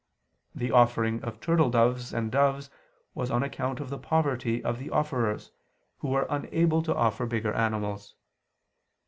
The offering of turtledoves and doves was on account of the poverty of the offerers, who were unable to offer bigger animals.